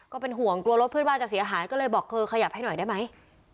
ก็เป็นห่วงกลัวรถเพื่อนบ้านจะเสียหายก็เลยบอกเธอขยับให้หน่อยได้ไหม